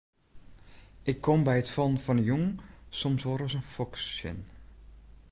Ik kom by it fallen fan 'e jûn soms wol ris in foks tsjin.